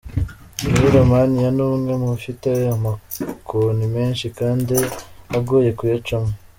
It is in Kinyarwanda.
muri Romania ni umwe mu ifite amakoni menshi kandi agoye kuyacamo.